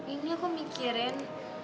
ini aku mikirin